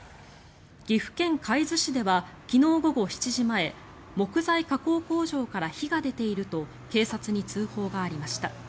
岐阜県海津市では昨日午後７時前木材加工工場から火が出ていると警察に通報がありました。